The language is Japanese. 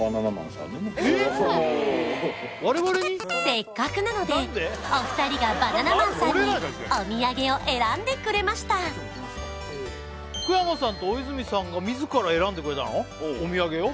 せっかくなのでお二人がバナナマンさんにお土産を選んでくれました福山さんと大泉さんがお土産を？